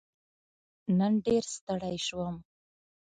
نن ډېر ستړی شوم